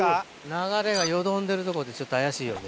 流れがよどんでる所ってちょっと怪しいよね。